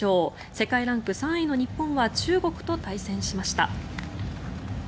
世界ランク３位の日本は中国と対戦しました。